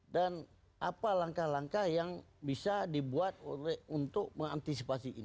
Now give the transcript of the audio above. dan apa langkah langkah yang bisa dibuat untuk mengantisipasi ini